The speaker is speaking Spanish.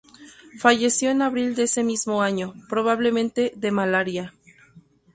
Falleció en abril de ese mismo año, probablemente de malaria.